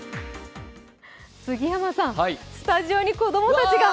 杉山さん、スタジオに子供たちが今！